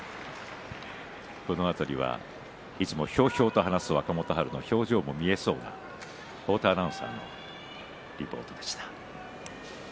このあとにはいつもひょうひょうと話す若元春の表情も見えそうなリポートでした。